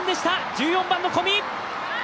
１４番の小見！